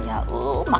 menambah ilmu agamanya